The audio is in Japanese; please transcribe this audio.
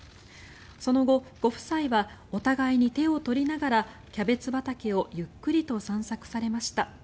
その後、ご夫妻はお互いに手を取りながらキャベツ畑をゆっくりと散策されました。